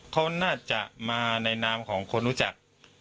เขาน่าจะมาในนามของคนรู้จัก